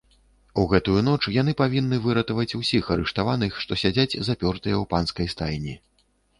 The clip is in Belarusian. У гэтую ноч яны павінны выратаваць усіх арыштаваных, што сядзяць запёртыя ў панскай стайні.